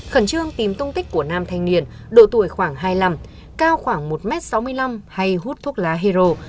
khẩn trương tìm tung tích của nam thanh niên độ tuổi khoảng hai mươi năm cao khoảng một m sáu mươi năm hay hút thuốc lá hero